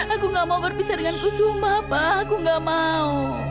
aku tidak mau berpisah dengan kusuma pak aku tidak mau